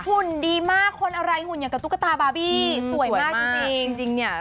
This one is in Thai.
หุ่นดีมากคนอะไรหุ่นอย่างกับตุ๊กตาบาร์บี้สวยมากจริงจริงเนี่ย